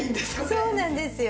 そうなんですよ。